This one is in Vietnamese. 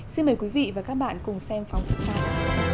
xin mời quý vị và các bạn cùng xem phóng xuất sắc